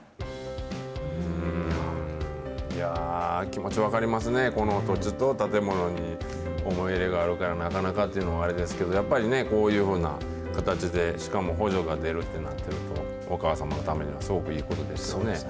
気持ち分かりますね、この土地と建物に思い入れがあるから、なかなかっていうのもあれですけど、やっぱりね、こういうふうな形で、しかも補助が出るってなってると、お母様のためにはすごくいいですよね。